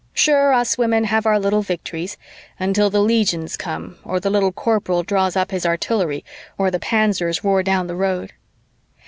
Sure, us women have our little victories until the legions come or the Little Corporal draws up his artillery or the Panzers roar down the road.